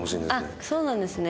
あっそうなんですね。